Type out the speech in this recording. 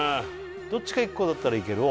どっちか１個だったらいける？